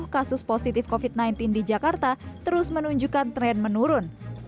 kasus positif covid sembilan belas di jakarta terus menunjukkan tren menurun